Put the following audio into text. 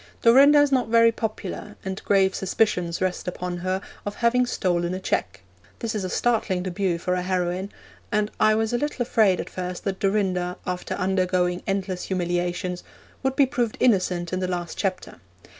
Dorinda is not very popular, and grave suspicions rest upon her of having stolen a cheque. This is a startling debut for a heroine, and I was a little afraid at first that Dorinda, after undergoing endless humiliations, would be proved innocent in the last chapter.